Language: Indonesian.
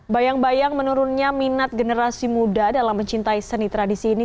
bayang bayang menurunnya minat generasi muda dalam mencintai seni tradisi ini